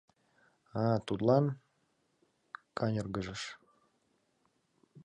— А-а, тудлан каньыргыжеш!..